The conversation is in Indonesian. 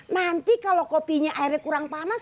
nanti kalau kopinya airnya kurang panas